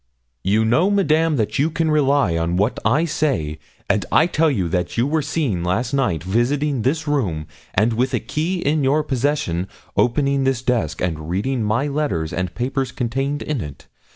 'You know, Madame, that you can rely on what I say, and I tell you that you were seen last night visiting this room, and with a key in your possession, opening this desk, and reading my letters and papers contained in it.